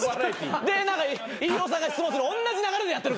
で何か飯尾さんが質問するおんなじ流れでやってるから。